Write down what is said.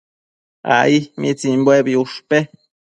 Ai. ¿mitsimbuebi ushpe?